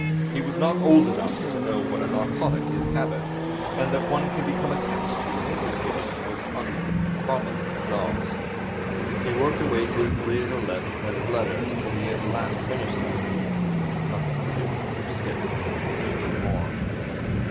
He was not old enough to know what a narcotic is Habit, and that one can become attached to and interested in the most unpromising jobs. He worked away dismally at his letters till he had finished them. Then there was nothing to do except sit and wait for more.